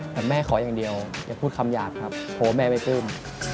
แต่แม่ขออย่างเดียวอย่าพูดคำหยาบครับเพราะว่าแม่ไม่ปลื้ม